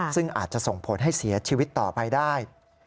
ซึ่งอาจจะส่งผลให้เสียชีวิตต่อไปได้